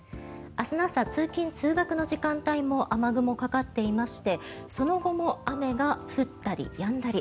明日の朝、通勤・通学の時間帯も雨雲かかっていましてその後も雨が降ったりやんだり。